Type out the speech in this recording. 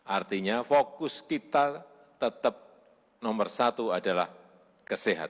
artinya fokus kita tetap nomor satu adalah kesehatan